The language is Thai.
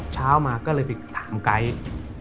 เช้ามาก็ไปถามไกร์ส